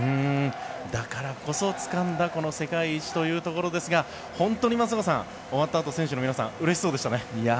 だからこそ、つかんだこの世界一というところですが本当に松坂さん終わったあと選手の皆さん嬉しそうでしたね。